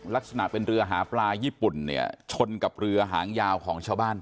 ลักษณะเป็นเรือหาปลาญี่ปุ่นเนี่ยชนกับเรือหางยาวของชาวบ้าน